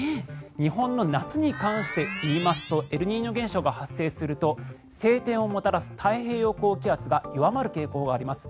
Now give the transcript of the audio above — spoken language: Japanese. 日本の夏に関して言いますとエルニーニョが発生すると晴天をもたらす太平洋高気圧が弱まる傾向があります。